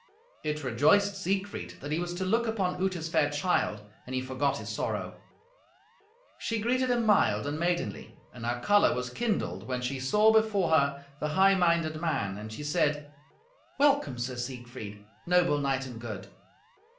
It rejoiced Siegfried that he was to look upon Uta's fair child, and he forgot his sorrow. She greeted him mild and maidenly, and her colour was kindled when she saw before her the high minded man, and she said, "Welcome, Sir Siegfried, noble knight and good."